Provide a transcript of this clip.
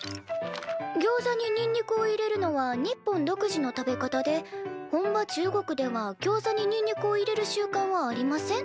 「ギョウザににんにくを入れるのは日本独自の食べ方で本場中国ではギョウザににんにくを入れる習慣はありません」